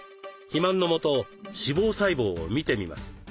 肥満のもと脂肪細胞を見てみます。